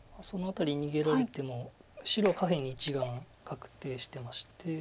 その辺り逃げられても白は下辺に１眼確定してまして。